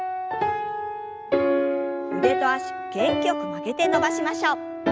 腕と脚元気よく曲げて伸ばしましょう。